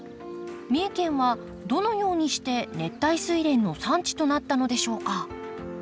三重県はどのようにして熱帯スイレンの産地となったのでしょうか？